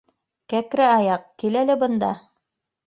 — Кәкре аяҡ, кил әле бында.